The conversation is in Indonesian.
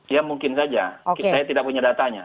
ya mungkin saja